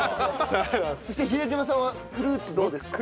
そして比江島さんはフルーツどうですか？